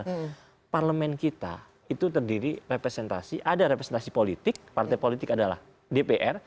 karena parlemen kita itu terdiri representasi ada representasi politik partai politik adalah dpr